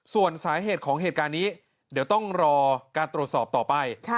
ส่วนสาเหตุของเหตุการณ์นี้เดี๋ยวต้องรอการตรวจสอบต่อไป